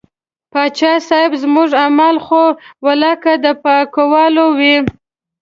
پاچا صاحب زموږ اعمال خو ولاکه د پاکوالي وي.